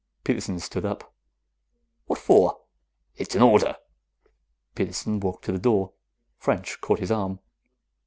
Peterson stood up. "What for?" "It's an order." Peterson walked to the door. French caught his arm.